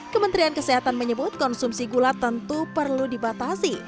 kementerian kesehatan menyebut konsumsi gula tentu perlu dibatasi